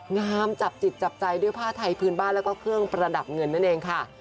งามจับจิตจับใจด้วยผ้าไทยพื้นบ้านแล้วก็เครื่องประดับเงินนั่นเองค่ะ